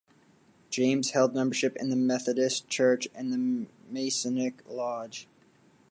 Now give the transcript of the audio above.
James held membership in the Methodist Church and the Masonic Lodge.